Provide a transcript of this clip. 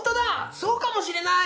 そうかもしれない。